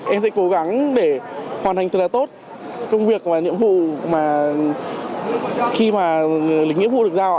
em sẽ cố gắng để hoàn thành thật là tốt công việc và nhiệm vụ mà khi mà lịch nghĩa vụ được giao